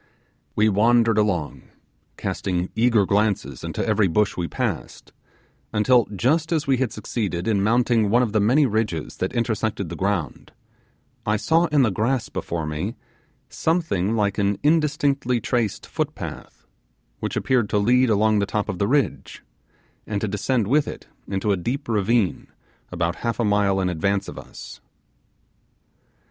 We wandered along, casting eager glances into every bush we passed, until just as we had succeeded in mounting one of the many ridges that intersected the ground, I saw in the grass before me something like an indistinctly traced footpath, which appeared to lead along the top of the ridge, and to descend with it into a deep ravine about half a mile in advance of us.